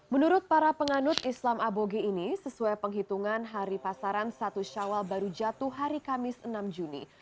menurut para penganut islam aboge ini sesuai penghitungan hari pasaran satu syawal baru jatuh hari kamis enam juni